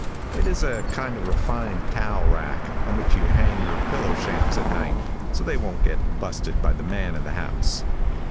It is a kind of refined towel rack on which you hang your pillow shams at night so they wont get busted by the man of the house.